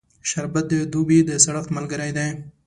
شربت د دوبی د سړښت ملګری دی